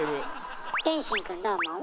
天心君どう思う？